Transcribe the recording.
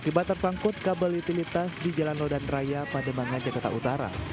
akibat tersangkut kabel utilitas di jalan nodan raya pademangan jakarta utara